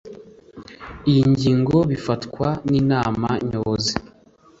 iyi ngingo bifatwa n inama nyobozi